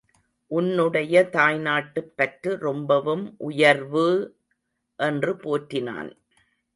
உன்னுடைய தாய்நாட்டுப் பற்று ரொம்பவும் உயர்வு!... என்று போற்றினான்.